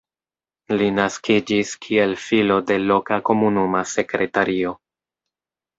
Li naskiĝis kiel filo de loka komunuma sekretario.